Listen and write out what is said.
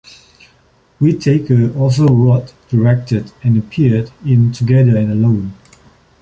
Whitaker also wrote, directed and appeared in "Together and Alone".